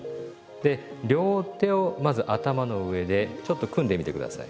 で両手をまず頭の上でちょっと組んでみて下さい。